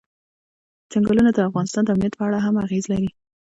چنګلونه د افغانستان د امنیت په اړه هم اغېز لري.